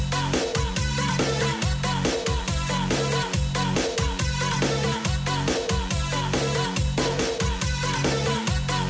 ๔ทุ่มตรงทางไทยรัสทีวีช่องทางสอง